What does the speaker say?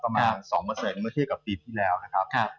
ประมาณ๒เปอร์เซ็นต์เมื่อที่กับปีที่แล้วนะครับ